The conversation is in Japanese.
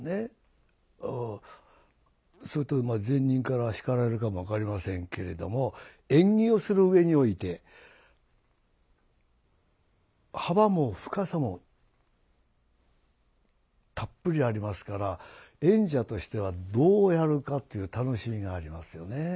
それと善人から叱られるかも分かりませんけれども演技をする上において幅も深さもたっぷりありますから演者としてはどうやるかっていう楽しみがありますよね。